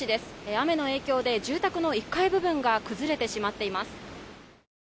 雨の影響で住宅の１階部分が崩れてしまっています。